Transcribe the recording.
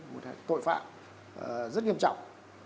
một tội phạm rất nghiêm trọng